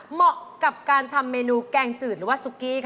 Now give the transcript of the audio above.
เหมาะกับการทำเมนูแกงจืดหรือว่าซุกี้ค่ะ